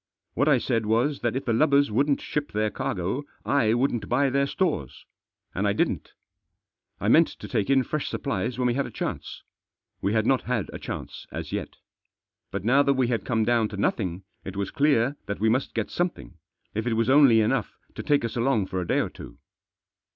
What I said was that if the lubbers wouldn't ship their cargo, I wouldn't buy their stores. And I didn't. I meant to take in fresh supplies when we had a chance. We had not had a chance as yet But now that we had come down to nothing it was clear that we must get some thing, if it was only enough to take us along for a day or two.